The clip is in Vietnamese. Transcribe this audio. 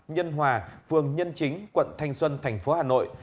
nhân hòa phường nhân chính quận thanh xuân thành phố hà nội